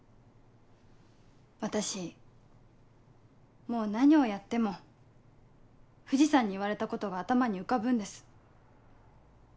私もう何をやっても藤さんに言われたことが頭に浮かぶんです。